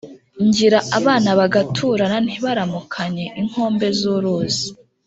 Ngira abana bagaturana ntibaramukanye.-Inkombe z'uruzi.